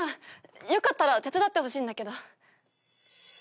よかったら手伝ってほしいんだけど。